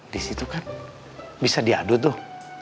disitu kan bisa diadu tuh